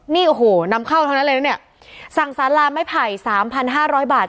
นี่โอ้โหนำเข้าเท่านั้นเลยนะเนี่ยสั่งสาราไม้ไผ่๓๕๐๐บาท